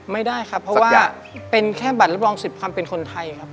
ไม่ได้ครับเพราะว่าเป็นแค่บัตรรับรองสิทธิ์ความเป็นคนไทยครับ